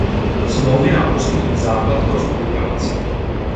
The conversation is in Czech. Smlouvy nám poskytují základ pro spolupráci.